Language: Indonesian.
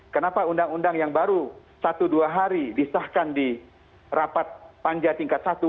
kenapa undang undang yang baru satu dua hari disahkan di rapat panja tingkat satu